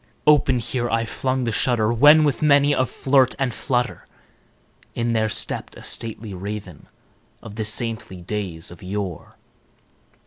Open here I flung the shutter, when, with many a flirt and flutter, In there stepped a stately Raven of the saintly days of yore.